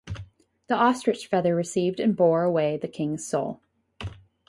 The ostrich feather received and bore away the king's soul.